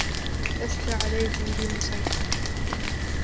لَسْتَ عَلَيْهِمْ بِمُصَيْطِرٍ